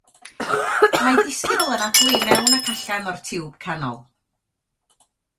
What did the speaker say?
Mae disgybl yn anadlu i mewn ac allan o'r tiwb canol.